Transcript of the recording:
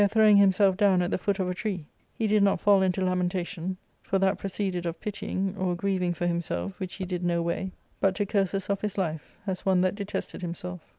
throwing himself down at the foot of a tree, he did not fall into lamentation, for that proceeded of pitying, or grieving for himself, which he did no way, but to curses of his life, as one that detested himself.